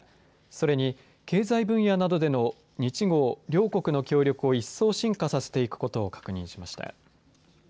それに経済分野などでの日豪両国の協力を一層深化させていくことを確認しました。